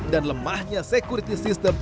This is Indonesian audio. dan lemahnya security system